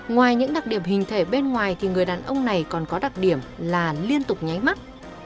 ngoài những đặc điểm hình thể bên ngoài thì người đàn ông này còn có đặc điểm là liên tục nháy mắt